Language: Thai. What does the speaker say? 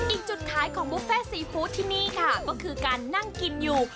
อีกจุดขายของบุฟเฟ่ซีฟู้ดที่นี่ค่ะก็คือการนั่งกินอยู่